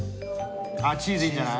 あっチーズいいんじゃない？